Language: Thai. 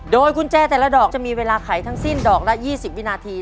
โดยกุญแจแต่ละดอกจะมีเวลาไขทั้งสิ้นดอกละ๒๐วินาที